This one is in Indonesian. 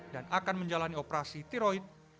dan akan menjalani operasi tiroid